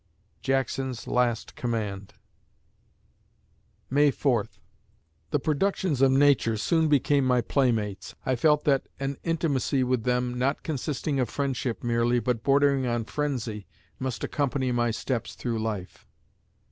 JACKSON'S Last Command May Fourth The productions of nature soon became my playmates. I felt that an intimacy with them not consisting of friendship merely, but bordering on frenzy, must accompany my steps through life.